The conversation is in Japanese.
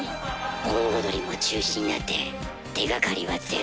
盆踊りも中止になって手がかりはゼロ。